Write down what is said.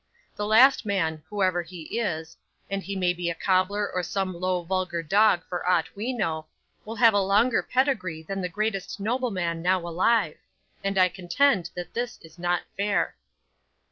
The last man, whoever he is and he may be a cobbler or some low vulgar dog for aught we know will have a longer pedigree than the greatest nobleman now alive; and I contend that this is not fair.